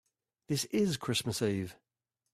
This is Christmas Eve.